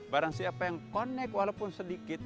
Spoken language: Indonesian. barangsiapa yang connect walaupun sedikit